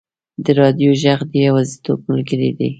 د راډیو ږغ د یوازیتوب ملګری وي.